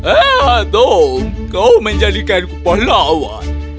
ah tom kau menjadikan kupah lawan